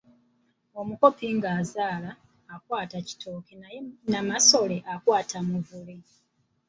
Omukopi ng’azaala, akwata kitooke naye Namasole akwata Muvule.